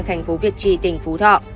thành phố việt tri tỉnh phú thọ